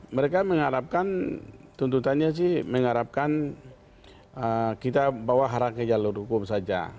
mereka mengharapkan tuntutannya sih mengharapkan kita bawa hara ke jalur hukum saja